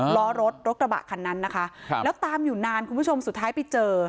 ล้อรถรถกระบะคันนั้นนะคะครับแล้วตามอยู่นานคุณผู้ชมสุดท้ายไปเจอ